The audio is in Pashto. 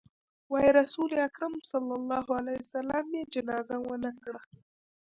وايي رسول اکرم ص يې جنازه ونه کړه.